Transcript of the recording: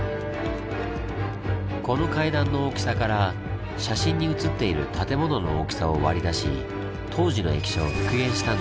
この階段の大きさから写真に写っている建物の大きさを割り出し当時の駅舎を復元したんです。